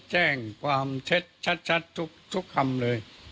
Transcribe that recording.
แจ้งความเท็จชัดทุกคำเลย